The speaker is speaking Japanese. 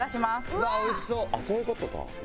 うわっ美味しそう！